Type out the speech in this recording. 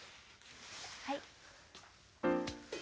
はい。